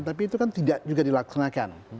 tapi itu kan tidak juga dilaksanakan